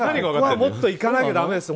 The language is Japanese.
もっといかなきゃだめです。